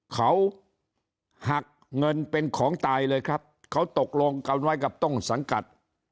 เขาหักเงินเป็นของตายเลยครับเขาตกลงกันไว้กับต้นสังกัด